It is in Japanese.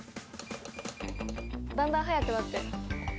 だんだん速くなってる。